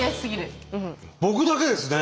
僕だけですね。